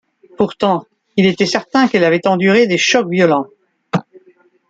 Pourtant il était certain qu’elle avait enduré des chocs violents.